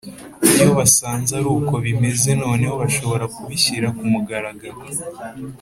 Iyo basanze ari uko bimeze noneho bashobora kubishyira ku mugaragaro